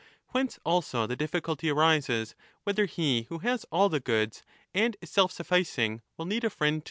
^ Whence also the difficulty arises, whether he who has all the goods and is self sufficing will need a friend too